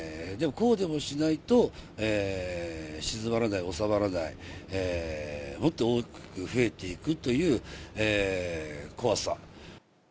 こうでもしないと、しずまらない、収まらない、もっと多く増えていくっていう怖さ。